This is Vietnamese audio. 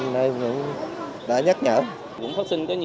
nên đã nhắc nhở